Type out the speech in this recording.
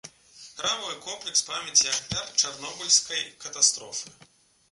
Храмавы комплекс памяці ахвяр чарнобыльскай катастрофы.